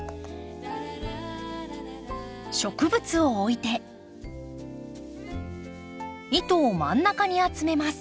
植物を置いて糸を真ん中に集めます。